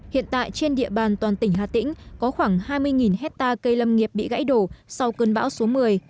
hiện tại trên địa bàn toàn tỉnh hà tĩnh có khoảng hai mươi hectare cây lâm nghiệp bị gãy đổ sau cơn bão số một mươi